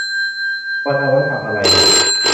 มันเอาไว้ทำอะไรน่ะ